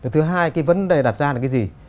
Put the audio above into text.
thứ hai cái vấn đề đặt ra là cái gì